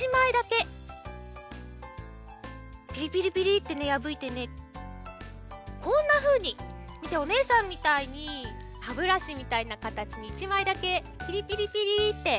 そしたらねつぎねこんなふうにみておねえさんみたいに歯ブラシみたいなかたちに１まいだけピリピリピリッて。